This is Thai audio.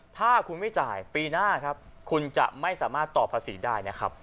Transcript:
ถ้าคุณไม่จ่ายปีหน้าครับคุณจะไม่สามารถต่อภาษีได้นะครับ